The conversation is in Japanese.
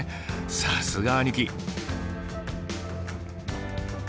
さすが兄貴！